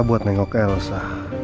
buat nengok elsa